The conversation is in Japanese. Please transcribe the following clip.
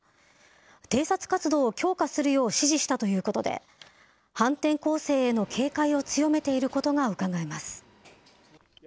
偵察活動を強化するよう指示したということで、反転攻勢への警戒を強めていることがうかがえます。